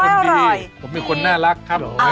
ผมเป็นคนดีผมเป็นคนน่ารักครับ